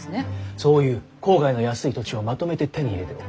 そういう郊外の安い土地をまとめて手に入れておく。